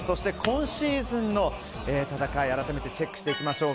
今シーズンの戦いを改めてチェックしていきましょう。